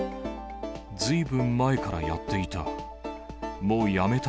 ずいぶん前からやっていた。